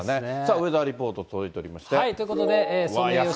ウェザーリポート届いておりましということで。